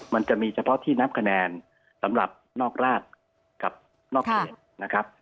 มันจะมีเฉพาะที่นับคะแนนสำหรับนอกราชกับนอกเขตนะครับ